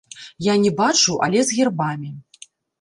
Я не бачыў, але з гербамі.